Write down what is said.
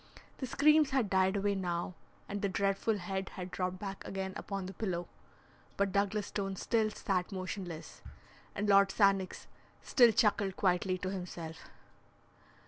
The screams had died away now, and the dreadful head had dropped back again upon the pillow, but Douglas Stone still sat motionless, and Lord Sannox still chuckled quietly to himself.